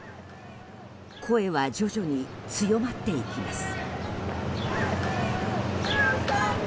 声は徐々に強まっていきます。